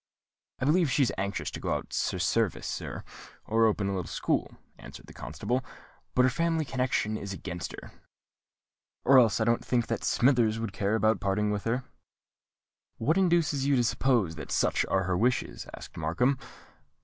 "I believe she is anxious to go out to service, sir, or open a little school," answered the constable; "but her family connection is against her. Or else I don't think that Smithers would care about parting with her." "What induces you to suppose that such are her wishes?" asked Markham.